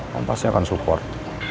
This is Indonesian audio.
kamu pasti akan support